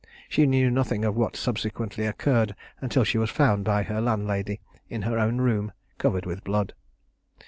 She knew nothing of what subsequently occurred, until she was found by her landlady in her own room covered with blood.